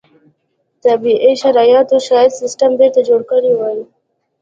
طبیعي شرایط شاید سیستم بېرته جوړ کړی وای.